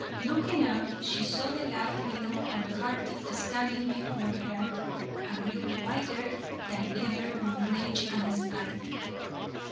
Looking out, she saw the lad hale and hearty standing before her, and grew whiter than ever with rage and spite.